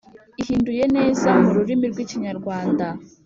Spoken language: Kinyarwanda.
ihinduye neza mu rurimi rw Ikinyarwanda